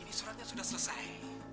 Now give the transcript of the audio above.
ini suratnya sudah selesai